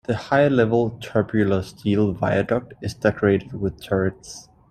The high-level tubular steel viaduct is decorated with turrets.